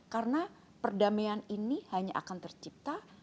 karena perdamaian ini hanya akan tercipta